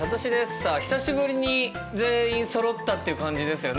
さあ久しぶりに全員そろったっていう感じですよね。